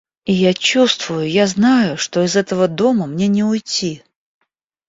И я чувствую, я знаю, что из этого дома мне не уйти.